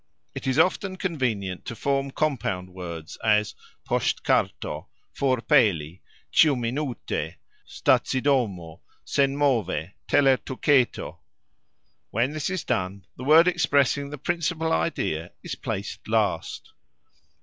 It is often convenient to form compound words, as "posxtkarto", "forpeli", "cxiuminute", "stacidomo", "senmove", "telertuketo". When this is done, the word expressing the principal idea is placed last.